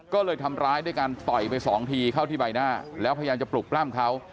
ก็เลยทำร้ายด้วยการต่อยไปสองทีเข้าที่ใบหน้าแล้วพยายามจะปลุกปล้ำเขา